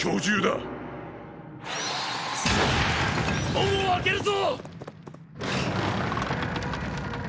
門を開けるぞ！